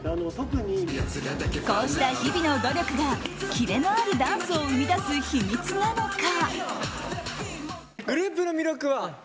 こうした日々の努力がキレのあるダンスを生み出す秘密なのか？